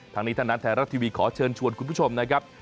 ทั้งนี้ทั้งนั้นไทยรัฐทีวีขอเชิญชวนคุณผู้ชมนะครับ